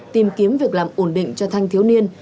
tìm kiếm việc làm ổn định cho thanh thiếu niên